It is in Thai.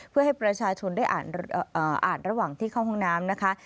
เพื่อให้ประชาชนได้อ่านระหว่างที่เข้าห้องน้ำนะคะ